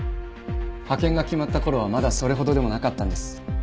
派遣が決まった頃はまだそれほどでもなかったんです。